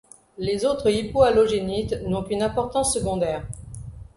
Les autres hypohalogénites n'ont qu'une importance secondaire.